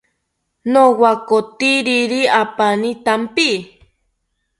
Nowakotakiri apani thampi